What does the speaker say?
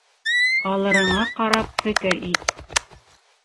Алырыңа ҡарап фекер ит.